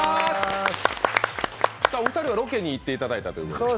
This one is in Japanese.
お二人はロケに行っていただいたということで。